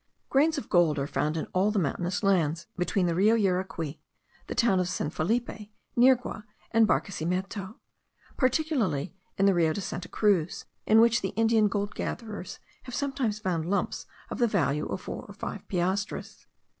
Grains of gold are found in all the mountainous lands between the Rio Yaracuy, the town of San Felipe, Nirgua, and Barquesimeto; particularly in the Rio de Santa Cruz, in which the Indian gold gatherers have sometimes found lumps of the value of four or five piastres.